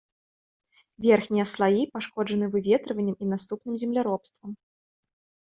Верхнія слаі пашкоджаны выветрываннем і наступным земляробствам.